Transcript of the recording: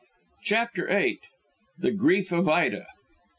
CHAPTER VIII. THE GRIEF OF IDA.